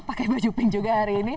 pakai baju pink juga hari ini